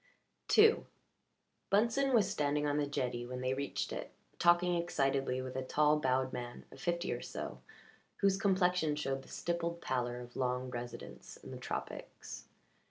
II Bunsen was standing on the jetty when they reached it talking excitedly with a tall bowed man of fifty or so whose complexion showed the stippled pallor of long residence in the tropics.